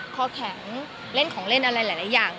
คอแข็งเล่นของเล่นอะไรหลายอย่าง